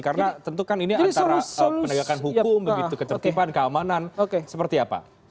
karena tentu kan ini antara penegakan hukum begitu ketertiban keamanan seperti apa